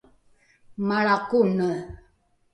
malra kone